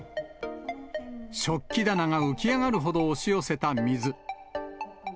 食器棚が浮き上がるほど押し寄せた水。